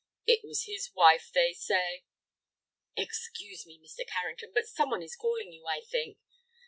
It was his wife, they say—" "Excuse me, Mr. Carrington, but some one is calling you, I think."